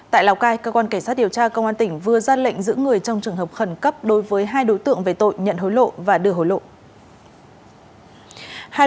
tại lào cai cơ quan cảnh sát điều tra công an tỉnh vừa ra lệnh giữ người trong trường hợp khẩn cấp đối với hai đối tượng về tội nhận hối lộ và đưa hối lộ